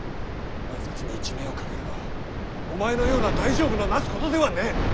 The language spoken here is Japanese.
暗殺に一命をかけるのはお前のような大丈夫のなすことではねぇ。